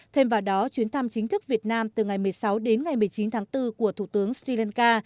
thêm vào đó chuyến thăm chính thức việt nam từ ngày một mươi sáu đến ngày một mươi chín tháng bốn của thủ tướng sri lanka